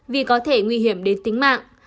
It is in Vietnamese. vì có thể nguy hiểm đến tính mạng